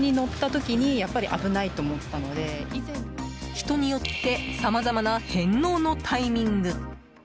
人によってさまざまな返納のタイミング。